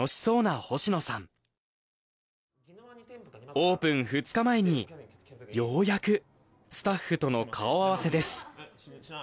オープン２日前にようやくスタッフとの顔合わせです。